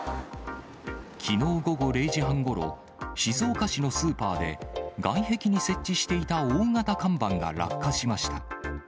きのう午後０時半ごろ、静岡市のスーパーで、外壁に設置していた大型看板が落下しました。